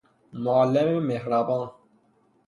معلم مهربان